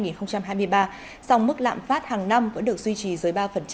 trong tháng một mươi hai năm hai nghìn hai mươi ba dòng mức lạm phát hàng năm vẫn được duy trì dưới ba